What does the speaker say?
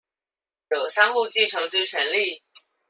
有相互繼承之權利